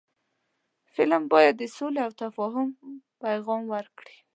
فلم باید د سولې او تفاهم پیغام ورکړي